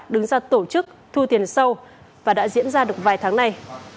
đứng ra tổ chức thu tiền sâu và đã diễn ra được vài tháng nay